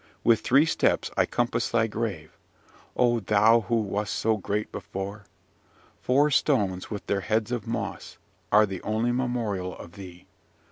With three steps I compass thy grave, O thou who wast so great before! Four stones, with their heads of moss, are the only memorial of thee.